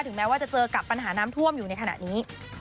แม้ว่าจะเจอกับปัญหาน้ำท่วมอยู่ในขณะนี้